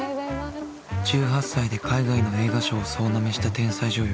１８ 歳で海外の映画賞を総なめした天才女優。